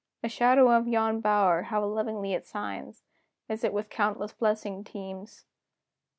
The shadow of yon bower, how lovingly it signs, As it with countless blessings teams!